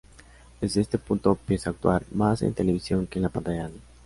Desde este punto, empieza a actuar más en televisión que en la pantalla grande.